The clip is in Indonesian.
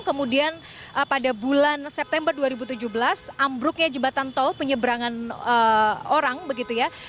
kemudian pada bulan september dua ribu tujuh belas ambruknya jebatan tol penyeberangan lrt palembang